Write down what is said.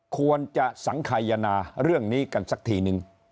ควรจะสังขยนาเรื่องนี้กันสักทีนึง